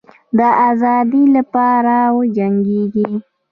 د آزادی لپاره وجنګېږی.